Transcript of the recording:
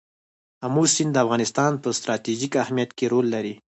آمو سیند د افغانستان په ستراتیژیک اهمیت کې رول لري.